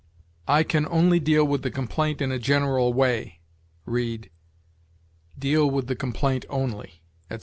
"I can only deal with the complaint in a general way"; read, "deal with the complaint only," etc.